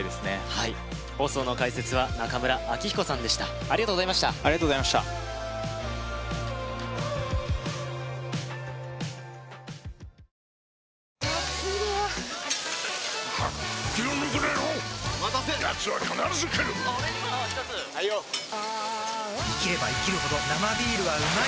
はい放送の解説は中村明彦さんでしたありがとうございましたありがとうございましたあついね気をぬくなよお待たせ奴は必ず来るオレにも１つあいよ生きれば生きるほど「生ビール」はうまい！